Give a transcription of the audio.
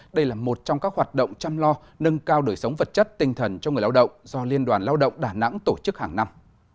đây là một trong các hoạt động chăm lo nâng cao đời sống vật chất tinh thần cho người lao động do liên đoàn lao động đà nẵng tổ chức hàng năm